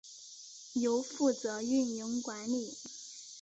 由负责运营管理。